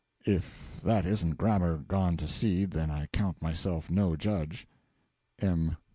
(If that isn't grammar gone to seed, then I count myself no judge. M.